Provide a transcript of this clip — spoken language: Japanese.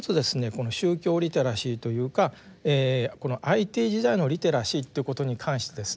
この宗教リテラシーというかこのＩＴ時代のリテラシーということに関してですね